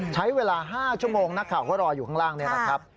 ใช้เวลา๕ชั่วโมงนักข่าวก็รออยู่ข้างล่างนี่แหละครับ